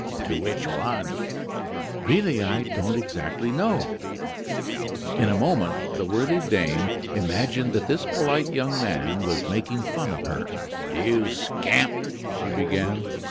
"To which one?" "Really, I don't exactly know." In a moment the worthy dame imagined that this polite young man was making fun of her. "You scamp !" she began.